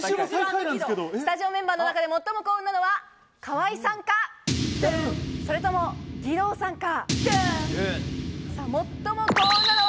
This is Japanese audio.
スタジオメンバーの中で最も幸運なのは、河井さんか、それとも義堂さんか？